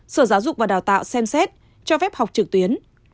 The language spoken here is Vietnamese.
sở giáo dục và đào tạo xem xét cho phép học trực tuyến